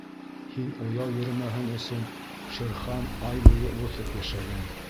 — Һин уяу йөрөмәһен өсөн Шер Хан ай буйы боҫоп йәшәгән.